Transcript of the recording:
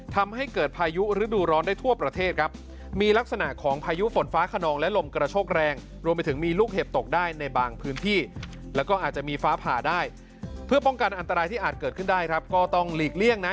แล้วก็อาจจะมีฟ้าผ่าได้เพื่อป้องกันอันตรายที่อาจเกิดขึ้นได้ครับก็ต้องหลีกเลี่ยงนะ